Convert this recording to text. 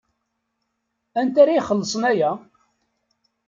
Anta ara ixellṣen aya?